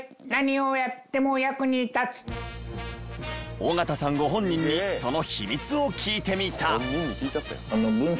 緒方さんご本人にその秘密を聞いてみた。